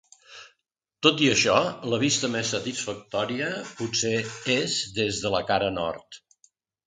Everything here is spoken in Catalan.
Tot i això, la vista més satisfactòria potser és des de la cara nord.